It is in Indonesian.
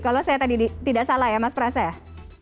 kalau saya tadi tidak salah ya mas praset